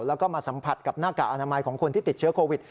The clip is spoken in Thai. แล้วก็มาสัมผัสกับหน้ากากอนามัยของคนที่ติดเชื้อโควิด